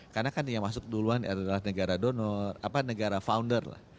karena kan yang masuk duluan adalah negara donor apa negara founder lah